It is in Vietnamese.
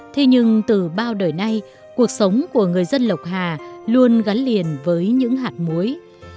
thế nhưng từ bao đời nay cuộc sống của người dân lộc hà luôn gắn liền với những hạt muối